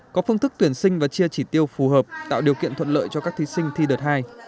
có phương thức tuyển sinh và chia chỉ tiêu phù hợp tạo điều kiện thuận lợi cho các thí sinh thi đợt hai